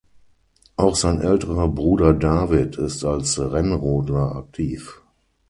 Auch sein älterer Bruder David ist als Rennrodler aktiv.